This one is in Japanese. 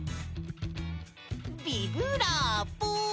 ビブラーボ！